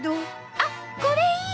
あっこれいい！